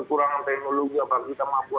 maksud saya itu